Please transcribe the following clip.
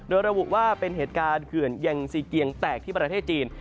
โดยระบุว่าเป็นเหตุการณ์เขื่อนแยงซีเกียงแตกที่ประเทศจีน